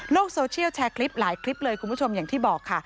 โซเชียลแชร์คลิปหลายคลิปเลยคุณผู้ชมอย่างที่บอกค่ะ